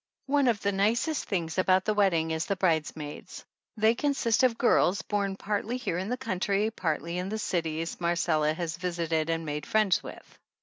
One of the nicest things about the wedding is the bridesmaids. They consist of girls born partly here in the country, partly in the cities Marcella has visited and made friends with.